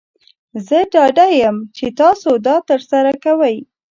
زه ډاډه یم چې تاسو دا ترسره کوئ.